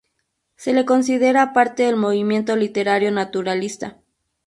Se le considera parte del movimiento literario naturalista.